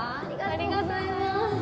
ありがとうございます